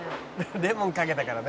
「レモンかけたからね」